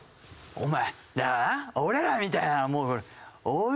お前。